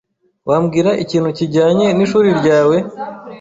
Wambwira ikintu kijyanye n'ishuri ryawe?